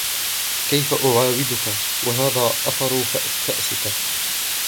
كيف أعاودك و هذا أثر فأسك.